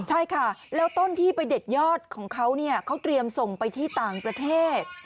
ใช่ค่ะแล้วต้นที่ไปเด็ดยอดของเขาเนี่ยเขาเตรียมส่งไปที่ต่างประเทศ